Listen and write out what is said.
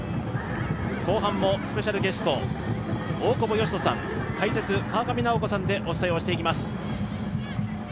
後半もスペシャルゲスト大久保嘉人さん解説、川上直子さんでお伝えをしていきます。